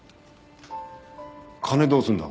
金どうするんだ？